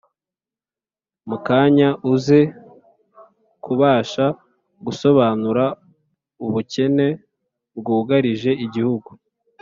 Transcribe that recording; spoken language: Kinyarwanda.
mu kanya uze kubasha gusobanura ubukene bwugarije igihugu